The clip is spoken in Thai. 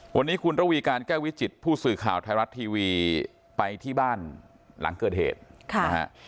วันนี้คุณระวีการแก้ววิจิตผู้สื่อข่าวไทยรัฐทีวีไปที่บ้านหลังเกิดเหตุค่ะนะฮะ